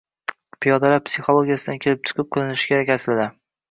Piyodalar psixologiyasidan kelib chiqib qilinishi kerak aslida.